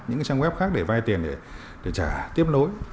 những cái trang web khác để vay tiền để trả tiếp nối